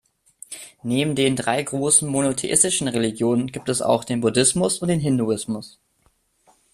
Neben den drei großen monotheistischen Religionen gibt es auch den Buddhismus und den Hinduismus.